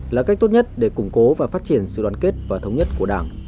là cách tốt nhất để củng cố và phát triển sự đoàn kết và thống nhất của đảng